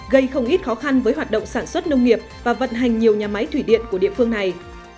gây không ít khó khăn với hoạt động sản xuất nông nghiệp và vận hành nhiều nhà máy thủy điện của địa phương này